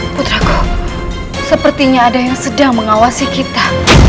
putraku sepertinya ada yang sedang mengawasi kita